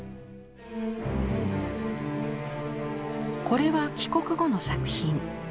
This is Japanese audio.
これは帰国後の作品。